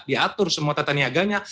diatur semua tata niaganya